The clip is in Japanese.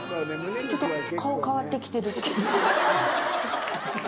ちょっと顔変わってきてる。